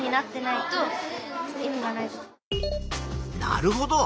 なるほど。